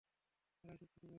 তারাই সবকিছু করে।